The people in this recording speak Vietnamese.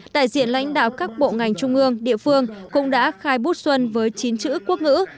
đại diện lãnh đạo các bộ ngành trung ương địa phương cũng đã khai bút xuân với chín chữ quốc ngữ